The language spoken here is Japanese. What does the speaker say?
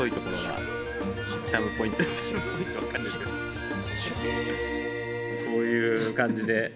こういうかんじで。